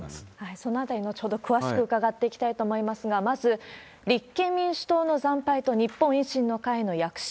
そのあたり、後ほど詳しく伺っていきたいと思いますが、まず立憲民主党の惨敗と日本維新の会の躍進。